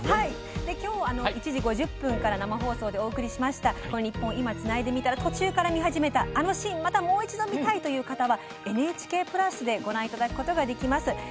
今日１時５０分から生放送でお送りしました「ニッポン『今』つないでみたら」途中から見たあのシーンを見たい！という方はＮＨＫプラスからご覧いただくことができます。